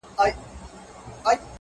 اوس مي د كلي ماسومان ځوروي ـ